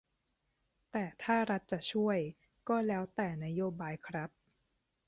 แต่ถ้ารัฐจะช่วย ก็แล้วแต่นโยบายครับ